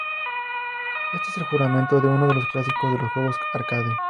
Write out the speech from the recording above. Este es el argumento de uno de los clásicos de los juegos arcade.